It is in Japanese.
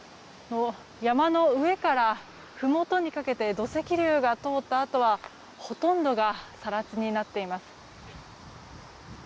山の上からふもとにかけて土石流が通ったあとはほとんどが更地になっています。